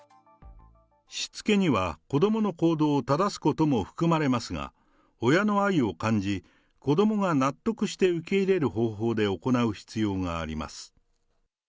しつけには、子どもの行動を正すことも含まれますが、親の愛を感じ、子どもが納得して受け入れる方法で行う必要があります。